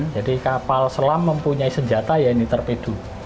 jadi kapal selam mempunyai senjata ya ini torpedo